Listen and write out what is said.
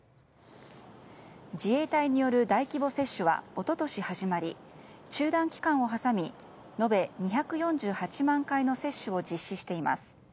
自衛隊による大規模接種は一昨年始まり中断期間を挟み延べ２４８万回の接種を実施しています。